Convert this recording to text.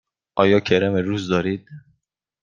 آیا کرم روز دارید؟